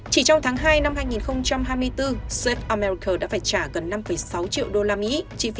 chỉ trong tháng hai năm hai nghìn hai mươi bốn seat ammerter đã phải trả gần năm sáu triệu usd